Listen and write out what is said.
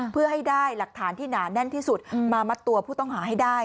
เพื่อให้ได้หลักฐานที่หนาแน่นที่สุดมามัดตัวผู้ต้องหาให้ได้